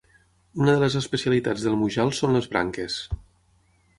Una de les especialitats del Mujal són les branques.